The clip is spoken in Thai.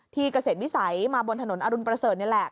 เกษตรวิสัยมาบนถนนอรุณประเสริฐนี่แหละ